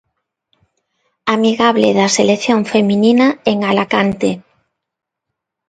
Amigable da selección feminina en Alacante.